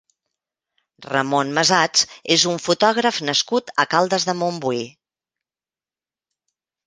Ramon Masats és un fotògraf nascut a Caldes de Montbui.